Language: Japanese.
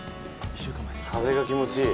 風が気持ちいい。